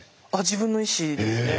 自分の意思ですね。